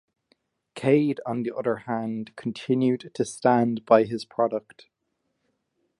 Cade, on the other hand, continued to stand by his product.